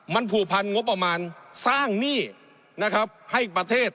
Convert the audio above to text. มันผูกพันงบประมาณสร้างหนี้นะครับให้ประเทศ